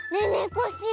コッシー